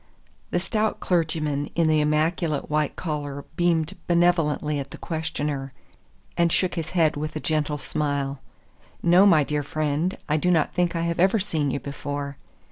The stout clergyman in the immaculate white collar beamed benevolently at the questioner and shook his head with a gentle smile. "No, my dear friend, I do not think I have ever seen you before."